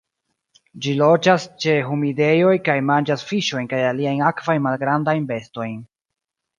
Ĝi loĝas ĉe humidejoj kaj manĝas fiŝojn kaj aliajn akvajn malgrandajn bestojn.